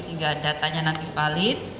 sehingga datanya nanti valid